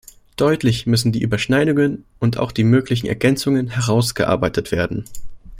Deutlich müssen die Überschneidungen und auch die möglichen Ergänzungen herausgearbeitet werden.